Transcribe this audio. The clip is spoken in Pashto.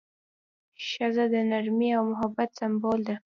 ښځه د نرمۍ او محبت سمبول ده.